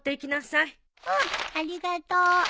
うんありがとう。